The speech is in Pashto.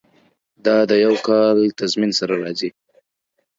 دا د یو کال تضمین سره راځي.